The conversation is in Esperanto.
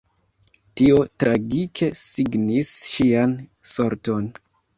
Tio tragike signis ŝian sorton.